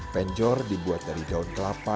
penjor dibuat dari daun kelapa